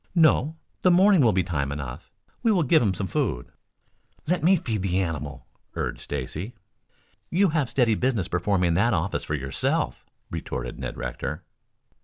"No. The morning will be time enough. We will give him some food." "Let me feed the animal," urged Stacy. "You have steady business performing that office for yourself," retorted Ned Rector.